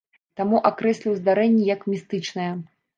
Таму акрэсліў здарэнне як містычнае.